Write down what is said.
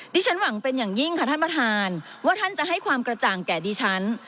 ฉันหวังเป็นอย่างยิ่งค่ะท่านประธานว่าท่านจะให้ความกระจ่างแก่ดิฉัน